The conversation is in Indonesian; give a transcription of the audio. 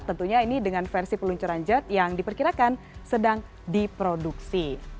tentunya ini dengan versi peluncuran jet yang diperkirakan sedang diproduksi